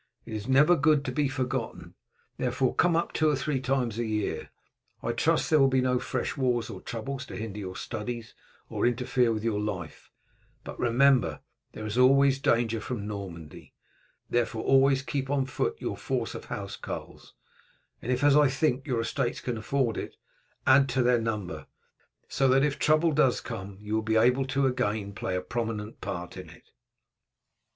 It is never good to be forgotten; therefore, come up two or three times a year. I trust that there will be no fresh wars or troubles to hinder your studies or interfere with your life; but remember that there is always danger from Normandy, therefore always keep on foot your force of housecarls; and if, as I think, your estates can afford it, add to their number, so that if trouble does come you will be able to again play a prominent part in it."